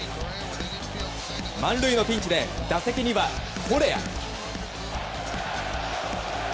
満塁のピンチで打席にはコレア。